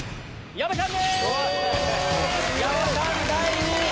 矢部さん。